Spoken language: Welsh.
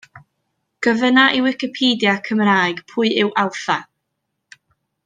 Gofynna i Wicipedia Cymraeg pwy yw Alffa?